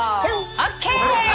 ＯＫ！